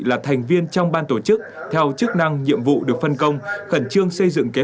là thành viên trong ban tổ chức theo chức năng nhiệm vụ được phân công khẩn trương xây dựng kế